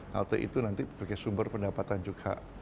halte itu nanti sebagai sumber pendapatan juga